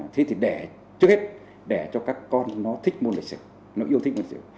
thế thì để trước hết để cho các con nó thích môn lịch sử nó yêu thích môn rượu